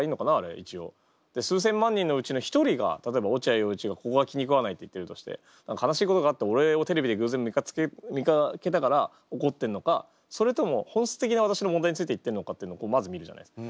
一応。で数千万人のうちの一人が例えば落合陽一のここが気にくわないって言ってるとして悲しいことがあって俺をテレビで偶然見かけたから怒ってんのかそれとも本質的な私の問題について言ってんのかっていうのをまず見るじゃないですか。